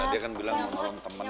dia kan bilang mau nolong temennya